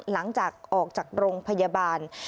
หลังจากออกจากโรงพยาบาล